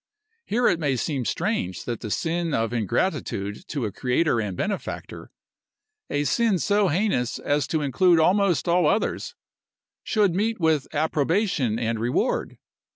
Here it may seem strange that the sin of ingratitude to a creator and benefactor, a sin so heinous as to include almost all others, should meet with approbation and reward.